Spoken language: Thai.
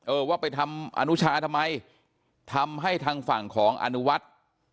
เออว่าไปทำอนุชาทำไมทำให้ทางฝั่งของอนุวัฒน์